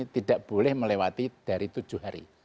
tidak boleh melewati dari tujuh hari